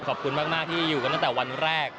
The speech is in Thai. ขอบคุณมากที่อยู่กันตั้งแต่วันแรก